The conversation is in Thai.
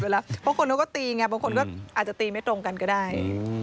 บางคนเขาก็ตีไงบางคนก็อาจจะตีไม่ตรงกันก็ได้